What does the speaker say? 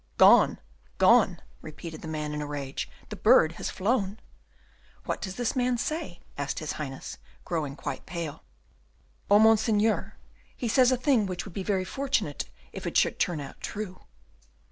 "Gone, gone," repeated the man in a rage, "the bird has flown." "What does this man say?" asked his Highness, growing quite pale. "Oh, Monseigneur, he says a thing which would be very fortunate if it should turn out true!"